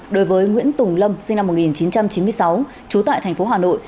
đối với nguyễn tùng lâm sinh năm một nghìn chín trăm chín mươi sáu trú tại thành phố hà nội